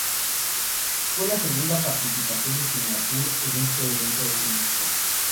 Fue la segunda participación de Singapur en este evento olímpico.